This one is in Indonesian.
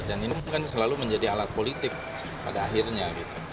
dan ini mungkin selalu menjadi alat politik pada akhirnya